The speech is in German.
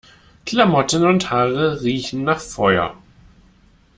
Klamotten und Haare riechen nach Feuer.